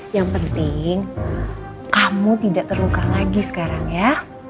yang penting kamu tidak terluka lagi sekarang ya